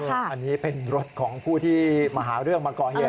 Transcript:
อันนี้เป็นรถของผู้ที่มาหาเรื่องมาก่อเหตุ